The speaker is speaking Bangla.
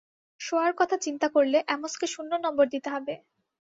শোয়ার কথা চিন্তা করলে, অ্যামোসকে শূন্য নম্বর দিতে হবে।